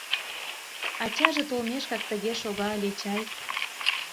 Ачаже толмешкак тыге шога ыле чай.